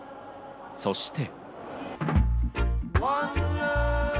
そして。